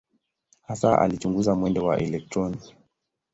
Hasa alichunguza mwendo wa elektroni.